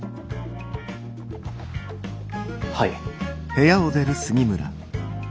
はい。